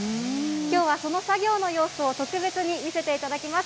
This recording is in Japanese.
きょうはその作業の様子を特別に見せていただきます。